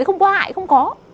không có hại không có